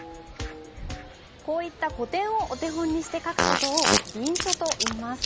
こういった古典をお手本にして書く事を臨書といいます。